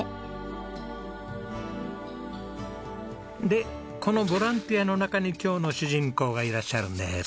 でこのボランティアの中に今日の主人公がいらっしゃるんです。